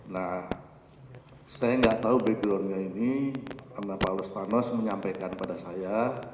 nah saya enggak tahu background nya ini karena paulus tarlos menyampaikan pada saya